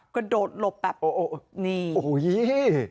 ก็โดดหลบแบบโอ้โหนี่โอ้โหยิ่ง